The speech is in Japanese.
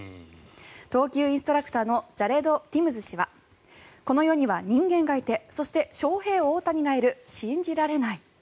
投球インストラクターのジャレド・ティムズ氏はこの世には人間がいて、そしてショウヘイ・オオタニがいる信じられない。